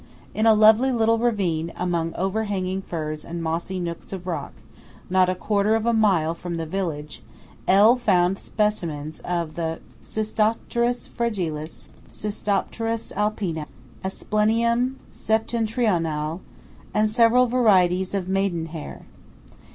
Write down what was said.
In a lovely little ravine among over hanging firs and mossy nooks of rock, not a quarter of a mile from the village, L. found specimens of the Cystopteris fragilis, Cystopteris alpina, Asplenium septentrionale, and several varieties of maiden hair.